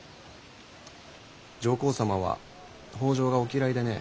上皇様は北条がお嫌いでね。